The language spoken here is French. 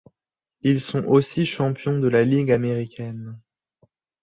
Ils sont aussi champions de la Ligue américaine.